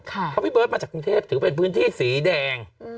เพราะพี่เบิร์ตมาจากกรุงเทพถือเป็นพื้นที่สีแดง